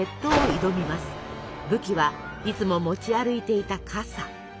武器はいつも持ち歩いていた傘！